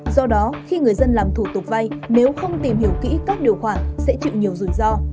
do đó khi người dân làm thủ tục vay nếu không tìm hiểu kỹ các điều khoản sẽ chịu nhiều rủi ro